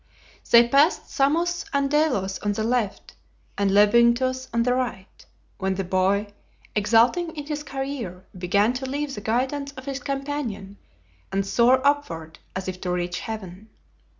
They passed Samos and Delos on the left and Lebynthos on the right, when the boy, exulting in his career, began to leave the guidance of his companion and soar upward as if to reach heaven.